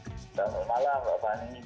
selamat malam bapak ani